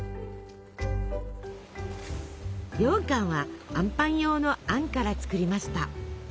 ようかんはあんパン用のあんから作りました。